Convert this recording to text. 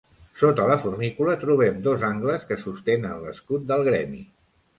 Sota la fornícula trobem dos angles que sostenen l'escut del gremi.